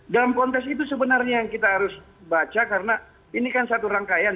dalam konteks itu sebenarnya yang kita harus baca karena ini kan satu rangkaian